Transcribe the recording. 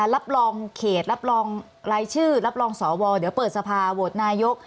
รับรองเขตรับรองรายชื่อรับรองสวเดี๋ยวเปิดสภาโหวตนายก